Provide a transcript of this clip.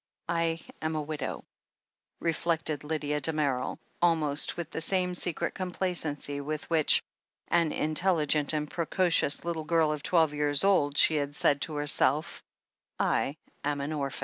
"I am a widow," reflected Lydia Damerel, almost with the same secret complacency with which, an intel ligent and precocious little girl of twelve years old, she had said to herself : "I am an orphsm."